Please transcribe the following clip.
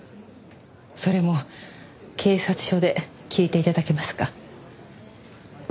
それも警察署で聞いて頂けますか。